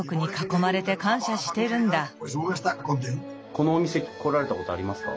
このお店来られたことありますか？